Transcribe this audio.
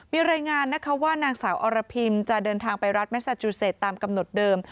มีรายงานนะคะว่านางสาวอรพิมจะเดินทางไปรัฐเม็กซาจูเศษตามกำหนดเดิม